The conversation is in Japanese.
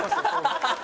ハハハハ！